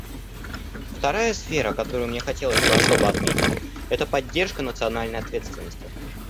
Вторая сфера, которую мне хотелось бы особо отметить, — это поддержка национальной ответственности.